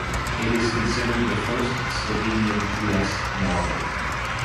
It is considered the first Slovenian Trieste novel.